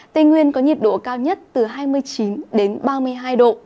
tây nguyên có nhiệt độ cao nhất từ hai mươi chín đến ba mươi hai độ